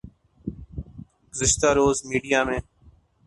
گزشتہ روز میڈیا میں